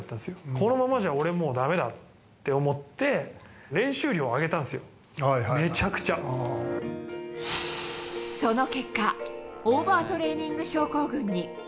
このままじゃ、俺もうだめだって思って、練習量を上げたんですよ、その結果、オーバートレーニング症候群に。